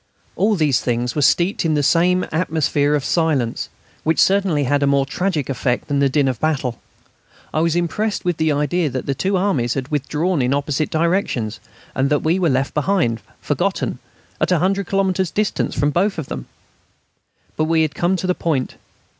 All these things were steeped in the same atmosphere of silence, which certainly had a more tragic effect than the din of battle. I was impressed with the idea that the two armies had withdrawn in opposite directions, and that we were left behind, forgotten, at 100 kilometres distance from both of them. But we had to come to the point.